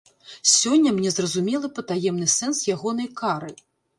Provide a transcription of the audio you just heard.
Сёння мне зразумелы патаемны сэнс ягонай кары.